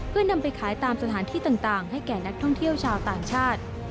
เพื่อนำไปขายตามสถานที่ต่างให้แก่นักท่องเที่ยวชาวต่างชาติ